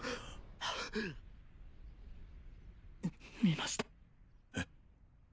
見ましたえっ？